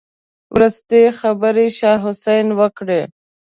وروستۍ خبرې شاه حسين وکړې.